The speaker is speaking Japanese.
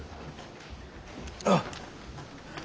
あっ。